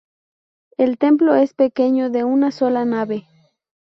El templo es pequeño de una sola nave.